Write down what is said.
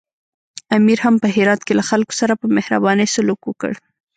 امیر هم په هرات کې له خلکو سره په مهربانۍ سلوک وکړ.